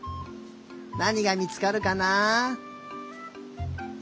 なにがみつかるかなあ？